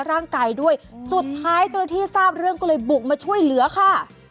ฮะสุดท้ายตอนที่ทราบเรื่องกลยบุกมาช่วยเหลือค่ะ